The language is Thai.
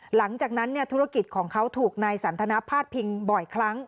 หลังจากนั้นธุรกิจของเขาถูกนายสันทนาพาดพิงบ่อยครั้ง